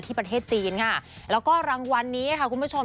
ประเทศจีนค่ะแล้วก็รางวัลนี้ค่ะคุณผู้ชม